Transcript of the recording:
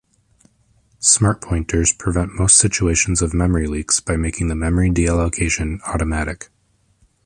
Smart pointers prevent most situations of memory leaks by making the memory deallocation automatic.